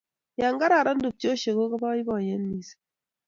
ya kararan tupchoshek ko baibaiyet mising